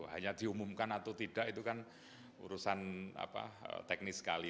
hanya diumumkan atau tidak itu kan urusan teknis sekali